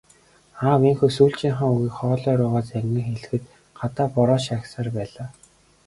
Аав ийнхүү сүүлчийнхээ үгийг хоолой руугаа залгин хэлэхэд гадаа бороо шаагьсаар байлаа.